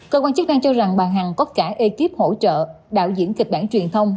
cơ quan chức năng cho rằng bà hằng có cả ekip hỗ trợ đạo diễn kịch bản truyền thông